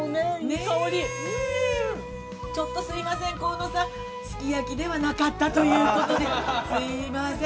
ちょっとすいません、河野さん、すき焼きではなかったということで、すいません。